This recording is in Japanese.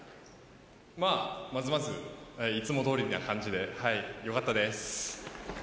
まあ、まずまずいつもどおりで良かったです。